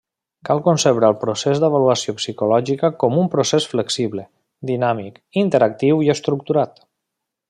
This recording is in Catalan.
Cal concebre al procés d'avaluació psicològica com un procés flexible, dinàmic, interactiu i estructurat.